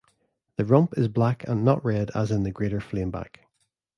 The rump is black and not red as in the greater flameback.